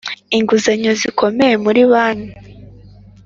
Inguzanyo zikomoka mu ri banki